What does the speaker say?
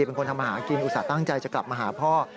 เป็นคนทำมาหากินอุตส่าห์ตั้งใจจะกลับมาหาพ่อ